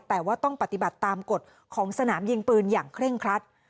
แต่ว่าต้องปฏิบัติตามกฎของสนามยิงปืนอย่างเคร่งครัด